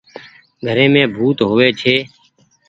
گھري مي ڀوت هووي ڇي۔